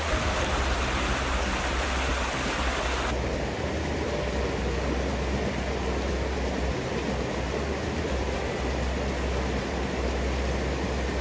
เมื่อเวลาอันดับสุดท้ายมันกลายเป็นภูมิที่สุดท้าย